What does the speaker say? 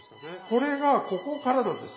これがここからなんです。